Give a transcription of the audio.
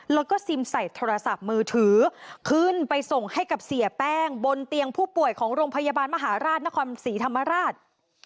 แล้วก็ซิมใส่โทรศัพท์มือถือขึ้นไปส่งให้กับเสียแป้งบนเตียงผู้ป่วยของโรงพยาบาลมหาราชนครศรีธรรมราช